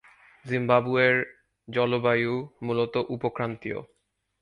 জিম্বাবুয়ের জলবায়ু মূলত উপক্রান্তীয়।